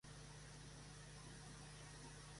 Kilo y Los fabulosos", Koke Y Gaby entre otros.